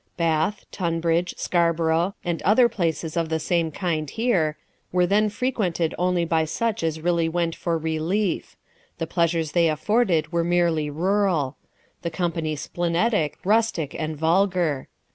Bath, Tunbridge, Scarborough, and other places of the same kind here, were then frequented only by such as really went for relief : the pleasures they afforded were merely rural : the company splenetic, rustic, and vulgar.